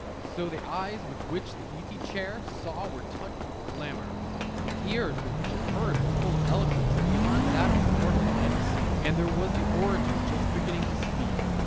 So the eyes with which the Easy Chair saw were touched with glamour. The ears with which it heard were full of eloquence beyond that of mortal lips. And there was the orator just beginning to speak.